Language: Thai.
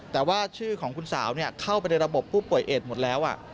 แต่ว่าชื่อของคุณสาวเข้าไปในระบบผู้ป่วยเอดหมดแล้ว